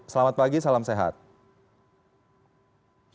selamat pagi salam sejahtera